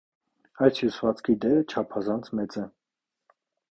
Այս հյուսվածքի դերը չափազանց մեծ է։